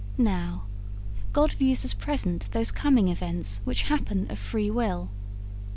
Now, God views as present those coming events which happen of free will.